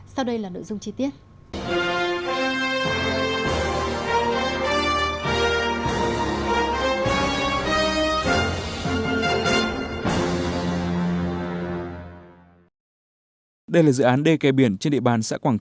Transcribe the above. sau đây là nội dung chi tiết